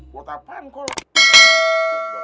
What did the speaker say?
buat apaan kolak